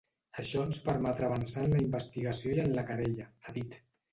Això ens permetrà avançar en la investigació i en la querella, ha dit.